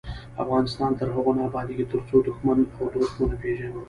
افغانستان تر هغو نه ابادیږي، ترڅو دښمن او دوست ونه پیژنو.